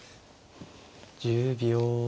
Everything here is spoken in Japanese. １０秒。